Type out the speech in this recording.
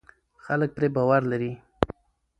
خلک پرې باور لري.